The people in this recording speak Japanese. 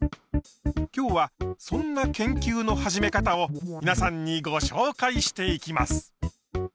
今日はそんな研究の始め方をみなさんにごしょうかいしていきます！